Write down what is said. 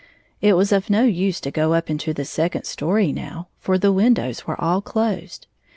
It w:as of no use to go up into the second story now, for the windows were all closed.